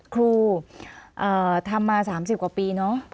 ครูทำมา๓๐กว่าปีเนอะ